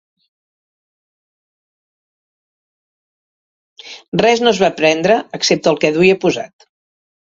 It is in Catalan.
Res no es va prendre excepte el que duia posat.